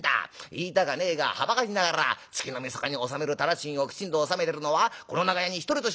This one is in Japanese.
言いたかねえがはばかりながら月のみそかに納める店賃をきちんと納めてるのはこの長屋に一人としているかってんだい。